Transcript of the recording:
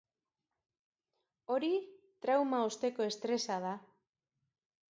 Hori trauma osteko estresa da.